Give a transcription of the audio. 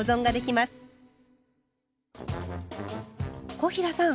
小平さん！